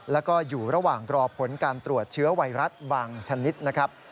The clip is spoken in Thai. แล้วก็อยู่ระหว่างรอผลการตรวจเชื้อไวรัสบางชนิดนะครับ